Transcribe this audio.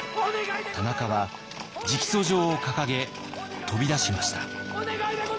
田中は直訴状を掲げ飛び出しました。